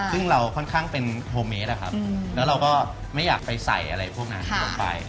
ซึ่งเราค่อนข้างเป็นโฮเมสนะครับแล้วเราก็ไม่อยากไปใส่อะไรพวกนั้นลงไป